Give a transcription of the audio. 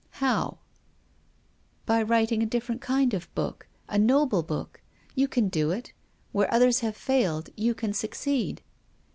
"How?" " By writing a different kind of book — a noble book. You can do it. Where others have failed, you can succeed."